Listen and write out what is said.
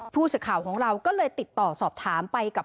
ผู้สื่อข่าวของเราก็เลยติดต่อสอบถามไปกับ